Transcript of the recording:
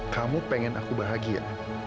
kamu pengen aku bahagia